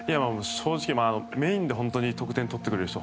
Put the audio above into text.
正直メインで得点取ってくれる人